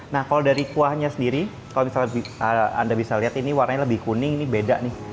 nah kalau dari kuahnya sendiri kalau misalnya anda bisa lihat ini warnanya lebih kuning ini beda nih